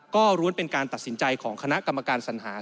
ก็ล้วนเป็นการตัดสินใจของคณะกรรมการสัญหา